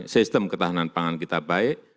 sistem ketahanan pangan kita baik